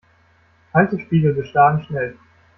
Kalte Spiegel beschlagen schnell.